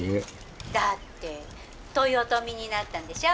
「だって豊臣になったんでしょ？